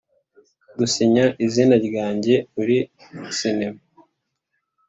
gusinya izina ryanjye muri sinema